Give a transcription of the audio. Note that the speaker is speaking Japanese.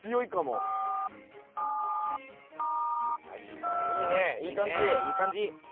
いい感じ。